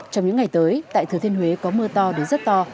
trong những ngày tới tại thừa thiên huế có mưa to đến rất to